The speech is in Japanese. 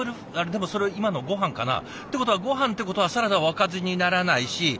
でもそれ今のごはんかな？ってことはごはんってことはサラダはおかずにならないし。